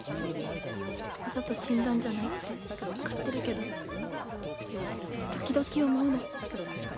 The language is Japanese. わざと死んだんじゃないって分かってるけど時々思うの。